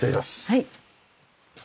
はい。